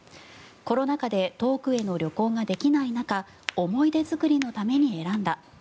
コロナ禍で遠くへの旅行ができない中思い出作りのために選んだ。